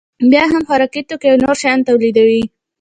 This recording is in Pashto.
بیا هم خوراکي توکي او نور شیان تولیدوي